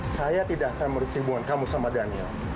saya tidak akan merusak hubungan kamu sama daniel